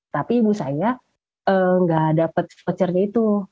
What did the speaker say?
tapi ibu saya nggak dapat vouchernya itu